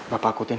bapak aku tin